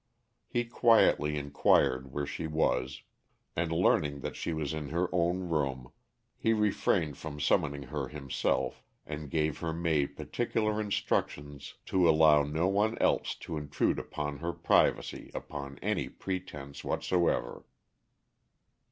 He quietly inquired where she was, and learning that she was in her own room, he refrained from summoning her himself, and gave her maid particular instructions to allow no one else to intrude upon her privacy upon any pretense whatsoever.